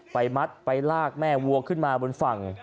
มัดไปลากแม่วัวขึ้นมาบนฝั่ง